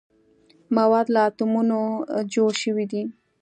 مواد له اتومونو جوړ شوي دي.